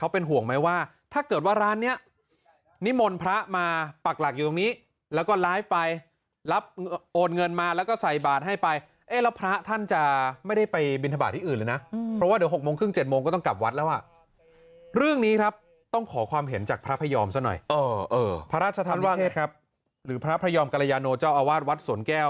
พระพระยอมกัลยาโนเจ้าอาวาสวัดสนแก้ว